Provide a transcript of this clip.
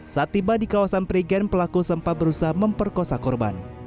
saat tiba di kawasan prigen pelaku sempat berusaha memperkosa korban